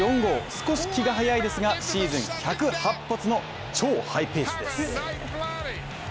少し気が早いですがシーズン１０８発の超ハイペースです。